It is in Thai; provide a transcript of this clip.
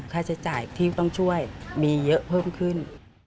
ค่าใช้จ่ายที่ต้องช่วยมีเยอะเพิ่มขึ้น